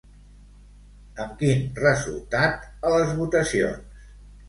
Amb quin resultat a les votacions?